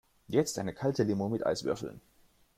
Jetzt eine kalte Limo mit Eiswürfeln!